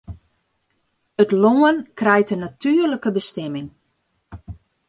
It lân krijt in natuerlike bestimming.